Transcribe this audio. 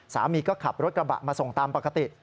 สามีก็ขับรถกระบะมาส่งตามปกติ